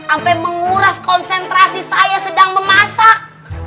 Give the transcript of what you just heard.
sampai menguras konsentrasi saya sedang memasak